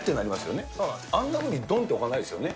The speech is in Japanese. あんなふうにどんって置かないですよね。